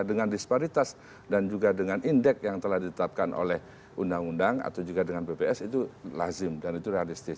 dengan disparitas dan juga dengan indeks yang telah ditetapkan oleh undang undang atau juga dengan bps itu lazim dan itu realistis